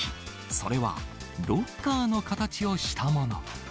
それは、ロッカーの形をしたもの。